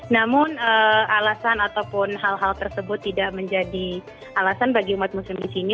namun alasan ataupun hal hal tersebut tidak menjadi alasan bagi umat muslim di sini